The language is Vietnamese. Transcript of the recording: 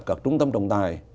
các trung tâm trọng tài